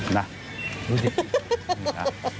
หนูดิ